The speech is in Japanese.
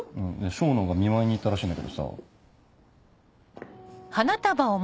笙野が見舞いに行ったらしいんだけどさ。